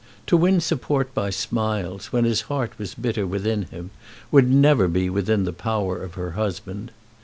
To win support by smiles when his heart was bitter within him would never be within the power of her husband.